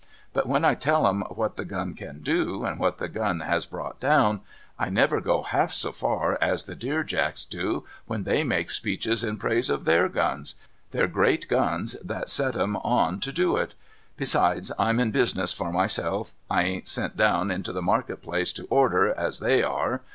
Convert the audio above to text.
But when I tell 'em what the gun can do, and what the gun has brought down, I never go half so far as the Dear Jacks do when they make speeches in praise of their guns •— their great guns that set 'em on to do it. Besides, I'm in business for myself : I ain't sent down into the market place to order, as they are.